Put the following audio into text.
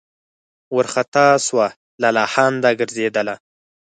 وارخطا سوه لالهانده ګرځېدله